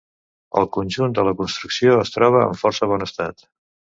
El conjunt de la construcció es troba en força bon estat.